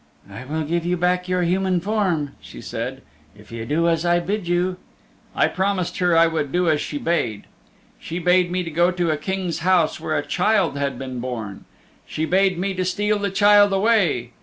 'I will give you back your human form,' she said, 'if you do as I bid you.' "I promised her I would do as she bade. "She bade me go to a King's house where a child had been born. She bade me steal the child away.